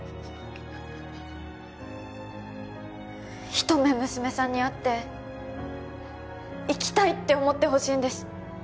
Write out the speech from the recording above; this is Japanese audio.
ひと目娘さんに会って「生きたい」って思ってほしいんです